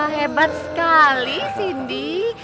hebat sekali cindy